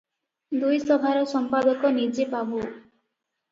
ଦୁଇ ସଭାର ସମ୍ପାଦକ ନିଜେ ବାବୁ ।